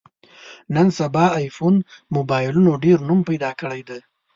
نن سبا ایفون مبایلونو ډېر نوم پیدا کړی دی.